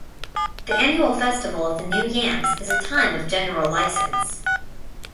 The annual festival of the new yams is a time of general license.